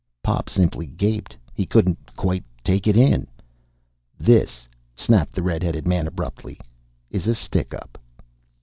Pop simply gaped. He couldn't quite take it in. "This," snapped the red headed man abruptly, "is a stickup!"